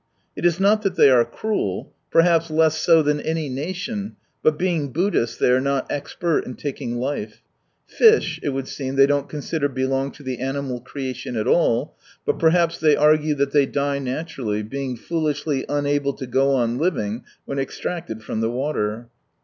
It is not that they are cruel. Perhaps less so than any nation, but being Buddhists they are not expert in taking life. (/»/;, it would seem they don't consider belong to the animal creation at all, but perhaps they argue that they die naturally, being foolishly unable to go on living when extracted from the water.)